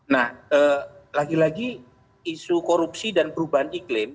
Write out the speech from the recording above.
nah lagi lagi isu korupsi dan perubahan iklim